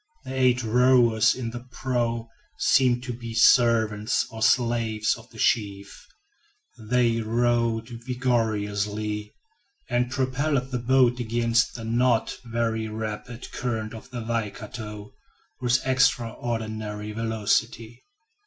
The eight rowers in the prow seemed to be servants or slaves of the chief. They rowed vigorously, and propelled the boat against the not very rapid current of the Waikato, with extraordinary velocity.